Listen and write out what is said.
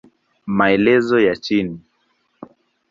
Maelezo ya chini